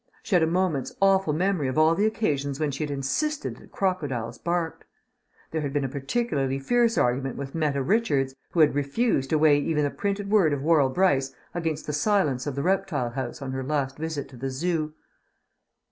She had a moment's awful memory of all the occasions when she had insisted that crocodiles barked. There had been a particularly fierce argument with Meta Richards, who had refused to weigh even the printed word of Worrall Brice against the silence of the Reptile House on her last visit to the Zoo.